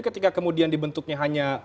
ketika kemudian dibentuknya hanya